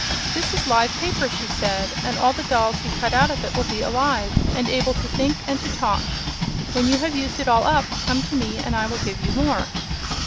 'This is live paper,' she said, 'and all the dolls you cut out of it will be alive, and able to think and to talk. When you have used it all up, come to me and I will give you more.'